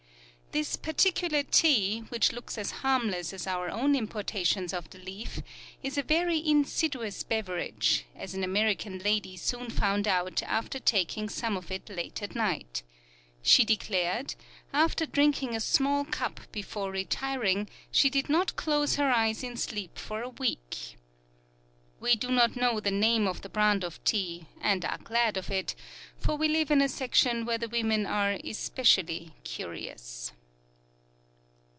This particular tea, which looks as harmless as our own importations of the leaf, is a very insidious beverage, as an American lady soon found out after taking some of it late at night. She declared, after drinking a small cup before retiring, she did not close her eyes in sleep for a week. We do not know the name of the brand of tea, and are glad of it; for we live in a section where the women are especially curious.